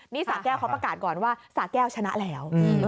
นี่สาแก้วเขาประกาศก่อนว่าสาแก้วชนะแล้ว